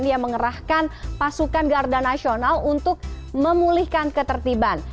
dia mengerahkan pasukan garda nasional untuk memulihkan ketertiban